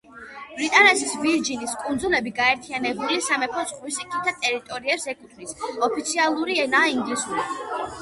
ბრიტანეთის ვირჯინის კუნძულები გაერთიანებული სამეფოს ზღვისიქითა ტერიტორიებს ეკუთვნის, ოფიციალური ენაა ინგლისური.